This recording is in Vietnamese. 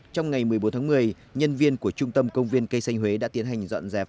trong ngày một mươi bốn tháng một mươi nhân viên của trung tâm công viên cây xanh huế đã tiến hành dọn dẹp